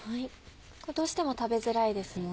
どうしても食べづらいですもんね。